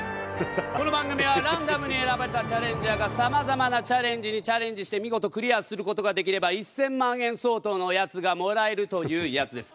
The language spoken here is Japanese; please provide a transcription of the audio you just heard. この番組はランダムに選ばれたチャレンジャーがさまざまなチャレンジにチャレンジして見事クリアする事ができれば１０００万円相当のやつがもらえるというやつです。